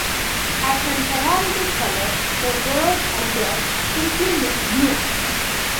As an heraldic colour, the word "azure" simply means "blue".